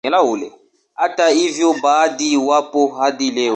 Hata hivyo baadhi wapo hadi leo